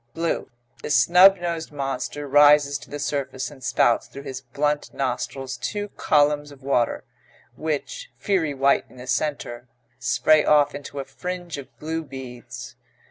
BLUE The snub nosed monster rises to the surface and spouts through his blunt nostrils two columns of water, which, fiery white in the centre, spray off into a fringe of blue beads.